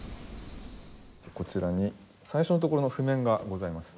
こちらに最初のところの譜面がございます。